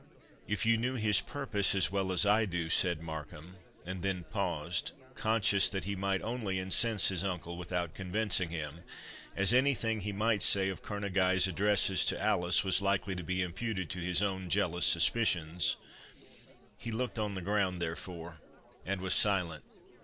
"If you knew his purpose as well as I do,"—said Markham, and then paused, conscious that he might only incense his uncle without convincing him, as any thing he might say of Kerneguy's addresses to Alice was likely to be imputed to his own jealous suspicions—he looked on the ground, therefore, and was silent.